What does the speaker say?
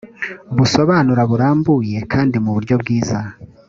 busobanura burambuye kandi mu buryo bwiza